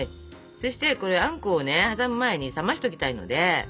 そしてこれあんこをね挟む前に冷ましときたいので。